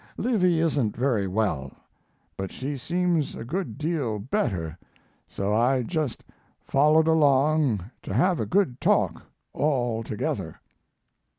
Livy isn't very well, but she seems a good deal better, so I just followed along to have a good talk, all together."